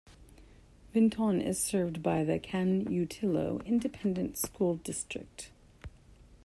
Vinton is served by the Canutillo Independent School District.